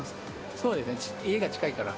そうですね、家が近いから。